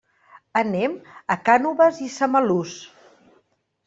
Anem a Cànoves i Samalús.